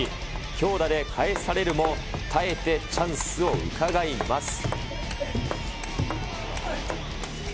強打で返されるも、耐えてチャンスをうかがいます。